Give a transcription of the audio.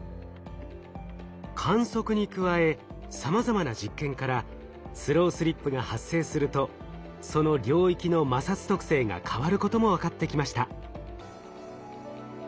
観測に加えさまざまな実験からスロースリップが発生するとその領域の摩擦特性が変わることも分かってきました。